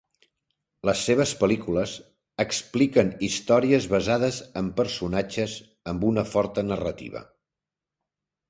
Les seves pel·lícules expliquen històries basades en personatges amb una forta narrativa.